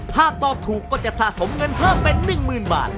หากตอบถูกก็จะสะสมเงินเพิ่มเป็น๑๐๐๐บาท